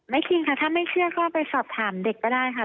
จริงค่ะถ้าไม่เชื่อก็ไปสอบถามเด็กก็ได้ค่ะ